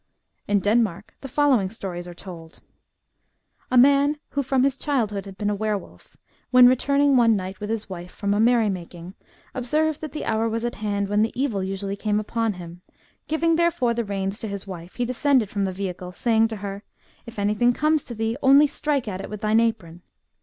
In Denmark the following stories are told :— A man, who from his childhood had been a were wolf, when returning one night with his wife from a merry making, observed that the hour was at hand when the evil usually came upon him ; giving therefore the reins 110 THE BOOK OF WERE WOLVES. to his wife, he descended from the vehicle, saying to her, '* If anything comes to thee, only strike at it with thine apron."